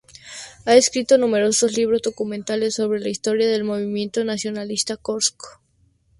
Ha escrito numerosos libros documentales sobre la historia del movimiento nacionalista corso.